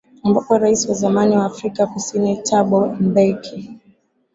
ambapo rais wa zamani wa afrika kusini tabo mbeki